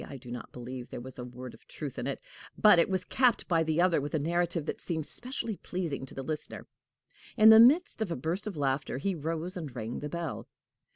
I do not believe there was a word of truth in it. But it was capped by the other with a narrative that seemed specially pleasing to the listener. In the midst of a burst of laughter, he rose and rang the bell.